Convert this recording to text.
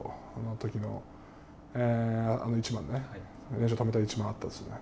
連勝を止めた一番があったんですよね。